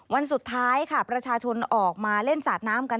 วันสุดท้ายค่ะประชาชนออกมาเล่นสาดน้ำกัน